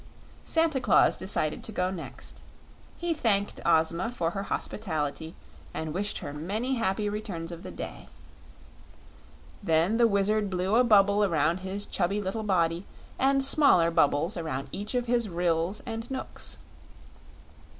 Santa Claus decided to go next. He thanked Ozma for her hospitality and wished her many happy returns of the day. Then the Wizard blew a bubble around his chubby little body and smaller bubbles around each of his Ryls and Knooks.